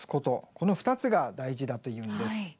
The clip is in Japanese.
この２つが大事だというんです。